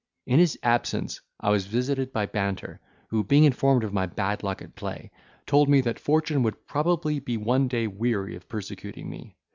In his absence I was visited by Banter, who, being informed of my bad luck at play, told me that fortune would probably be one day weary of persecuting me.